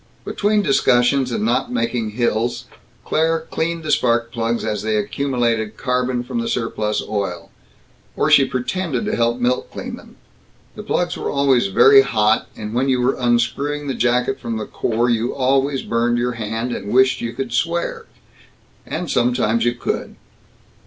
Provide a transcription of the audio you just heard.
Between discussions and not making hills, Claire cleaned the spark plugs as they accumulated carbon from the surplus oil or she pretended to help Milt clean them. The plugs were always very hot, and when you were unscrewing the jacket from the core, you always burned your hand, and wished you could swear ... and sometimes you could.